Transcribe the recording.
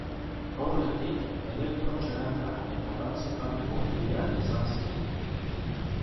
Aurretik, elektrotxaranga eta dantza taldeko kideak izan ziren.